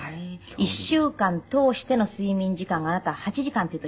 １週間通しての睡眠時間があなた８時間っていう時。